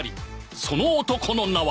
その男の名は